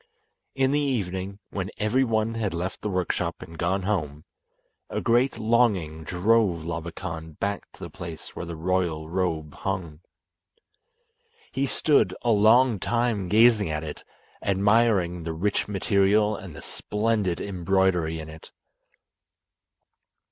In the evening, when every one had left the workshop and gone home, a great longing drove Labakan back to the place where the royal robe hung. He stood a long time gazing at it, admiring the rich material and the splendid embroidery in it.